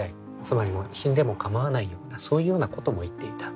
つまり死んでも構わないようなそういうようなことも言っていた。